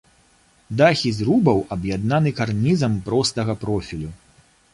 Дахі зрубаў аб'яднаны карнізам простага профілю.